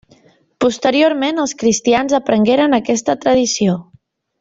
Posteriorment, els cristians aprengueren aquesta tradició.